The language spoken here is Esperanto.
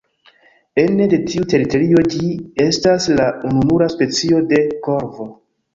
Ene de tiu teritorio ĝi estas la ununura specio de korvo.